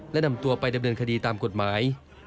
และนำตัวไปดำเนินคดีตามกฎหมาย